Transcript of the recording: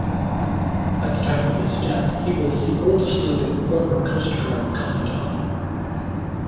At the time of his death, he was the oldest-living former Coast Guard Commandant.